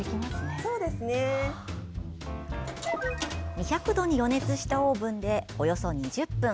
２００度に予熱したオーブンでおよそ２０分。